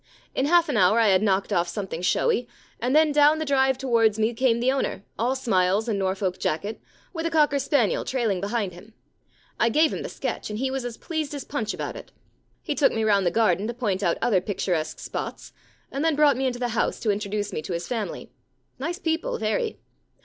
In half an hour I had knocked off something showy, and then down the drive towards me came the owner, all smiles and Norfolk jacket, with a Cocker spaniel trailing behind him. I gave him the 48 The Free Meal Problem sketch, and he was as pleased as Punch about it. He took me round the garden to point out other picturesque spots, and then brought me into the house to introduce me to his family. Nice people, very.